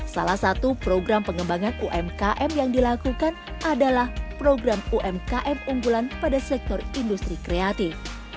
salah satu program pengembangan umkm yang dilakukan adalah program umkm unggulan pada sektor industri kreatif